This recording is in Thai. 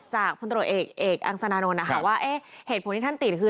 จากพลตรวจเอกอังสนานนท์ว่าเหตุผลที่ท่านติดคือ